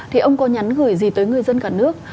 thì ông có nhắn gửi gì tới người dân cả nước